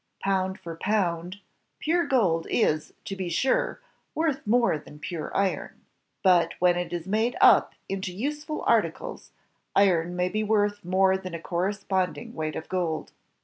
Poimd for pound, pure gold is, to be sure, worth more than pure iron. But when it is made up into useful articles, iron may be worth more than a correqrandii^ weight of gold.